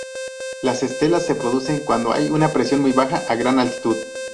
Las estelas se producen cuando hay una presión muy baja a gran altitud.